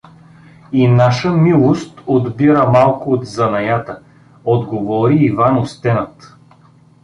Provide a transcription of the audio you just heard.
И наша милост отбира малко от занаята — отговори Иван Остенът.